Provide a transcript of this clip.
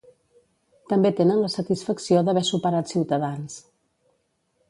També tenen la satisfacció d'haver superat Ciutadans.